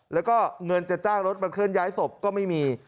แล้วก็เงินจะจ้างรถมาเคลื่อนย้ายศพก็ไม่มี